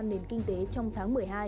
nền kinh tế trong tháng một mươi hai